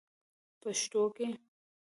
پښتو کې: